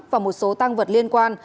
và một số tăng vật liên quan